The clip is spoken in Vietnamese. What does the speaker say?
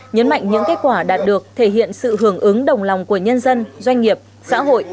nhấn mạnh những kết quả đạt được thể hiện sự hưởng ứng đồng lòng của nhân dân doanh nghiệp xã hội